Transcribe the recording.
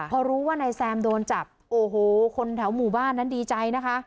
พอรู้ว่านายแซมโดนจับโอ้โหคนแถวหมู่บ้านนั้นดีใจนะคะ